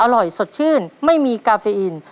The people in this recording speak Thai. อร่อยสดชื่นไม่มีกาเฟอิน